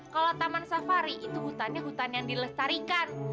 kalau taman safari itu hutannya hutan yang dilestarikan